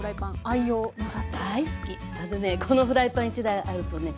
あのねこのフライパン１台あるとね